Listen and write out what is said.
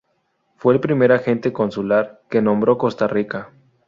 Fue el primer agente consular que nombró Costa Rica.